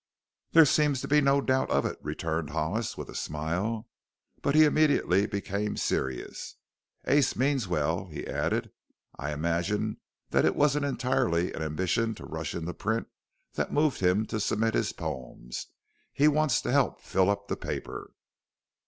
"There seems to be no doubt of it," returned Hollis with a smile. But he immediately became serious. "Ace means well," he added. "I imagine that it wasn't entirely an ambition to rush into print that moved him to submit his poems; he wants to help fill up the paper."